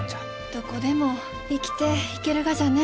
どこでも生きていけるがじゃね。